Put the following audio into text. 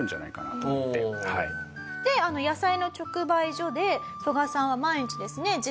で野菜の直売所でソガさんは毎日ですね